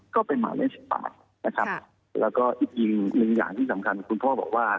ก็เป็นหมายเลข๑๘นะครับแล้วก็อีกหนึ่งอย่างที่สำคัญคุณพ่อบอกว่า